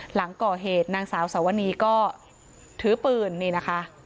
หลังก่อเหตุนางสาวสวนีก็ถือปืนนี่นะคะ